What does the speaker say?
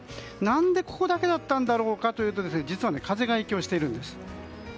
何でここだけだったんだろうかというと実は風が影響しているんです。